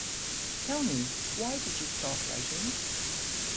Tell me: why did you stop writing?